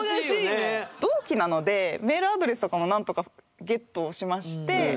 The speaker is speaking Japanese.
同期なのでメールアドレスとかもなんとかゲットしまして。